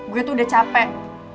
gue tuh udah capek